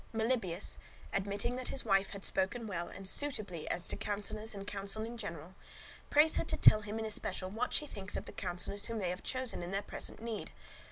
Melibœus, admitting that his wife had spoken well and suitably as to counsellors and counsel in general, prays her to tell him in especial what she thinks of the counsellors whom they have chosen in their present need.